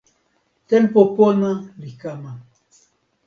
tenpo pona li kama.